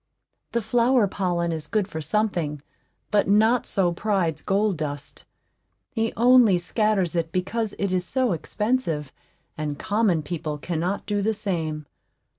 The flower pollen is good for something, but not so pride's gold dust. He only scatters it because it is so expensive, and common people cannot do the same.